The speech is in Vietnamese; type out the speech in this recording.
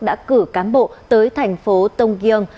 đã cử cán bộ tới thành phố tông kiêng